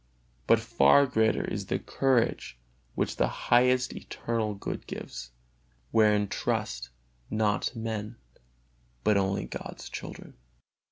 But far greater is the courage which the highest eternal Good gives, wherein trust, not men, but only God's children.